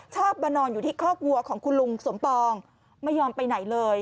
ชอบมานอนอยู่ที่คอกวัวของคุณลุงสมปองไม่ยอมไปไหนเลย